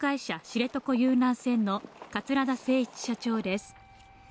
知床遊覧船の桂田精一社長です